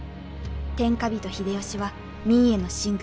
天下人秀吉は明への進軍